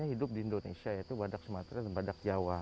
hidup di indonesia yaitu badak sumatera dan badak jawa